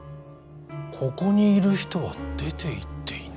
ここにいる人は出ていっていない。